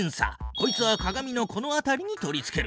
こいつは鏡のこの辺りに取り付ける。